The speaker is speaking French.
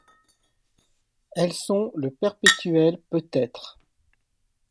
Elles sont le perpétuel peut-être.